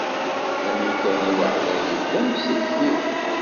D amkan-iw ɛlayen, d amsellek-iw.